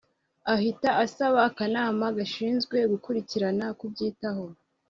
Ahita asaba Akanama gashinzwe gukurikirana kubyitaho